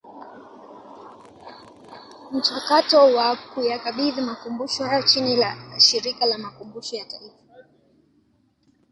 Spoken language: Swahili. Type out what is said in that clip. Mchakato wa kuyakabidhi Makumbusho hayo chini ya Shirika la Makumbusho ya Taifa